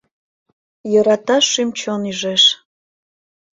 Йӧраташ шӱм-чон ӱжеш.